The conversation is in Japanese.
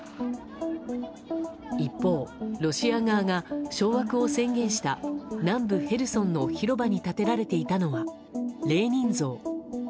一方、ロシア側が掌握を宣言した南部ヘルソンの広場に建てられていたのは、レーニン像。